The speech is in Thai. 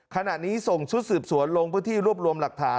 ขณะนี้ส่งชุดสืบสวนลงพื้นที่รวบรวมหลักฐาน